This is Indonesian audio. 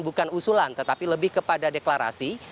bukan usulan tetapi lebih kepada deklarasi